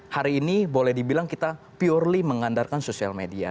hari ini boleh dibilang kita purely mengandarkan sosial media